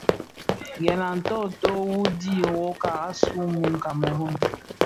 Gèn a nto u dhid nwokag, asuu mun Kameroun,